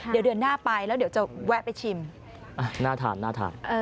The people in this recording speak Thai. เดี๋ยวเดือนหน้าไปแล้วเดี๋ยวจะแวะไปชิมน่าทานน่าทาน